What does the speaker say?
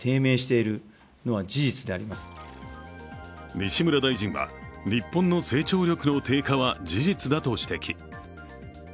西村大臣は日本の成長力の低下は事実だと指摘。